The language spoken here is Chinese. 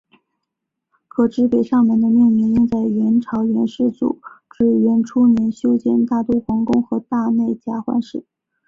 可知北上门的命名应在元朝元世祖至元初年修建大都皇宫和大内夹垣时。